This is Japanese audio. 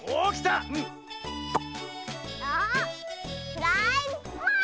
フライパーン！